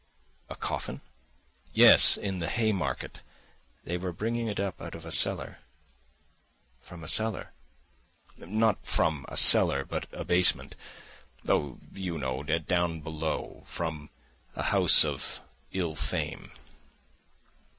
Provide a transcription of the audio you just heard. "A coffin?" "Yes, in the Haymarket; they were bringing it up out of a cellar." "From a cellar?" "Not from a cellar, but a basement. Oh, you know ... down below ... from a house of ill fame.